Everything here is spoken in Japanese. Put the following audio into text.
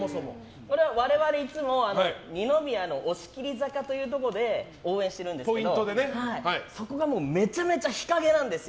我々、いつも二宮の押切坂というところで応援してるんですけど、そこがめちゃめちゃ日陰なんですよ。